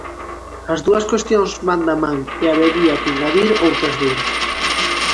As dúas cuestións van da man, e habería que engadir outras dúas.